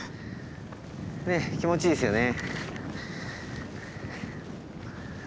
ねっ気持ちいいですよね。